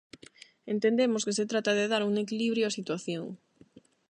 Entendemos que se trata de dar un equilibrio a situación.